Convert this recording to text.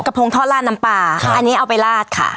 โพงทอดลาดน้ำปลาค่ะอันนี้เอาไปลาดค่ะ